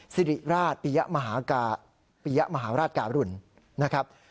ศิริราชปียะมหาราชกาปียะมหาราชการุ่นนะครับ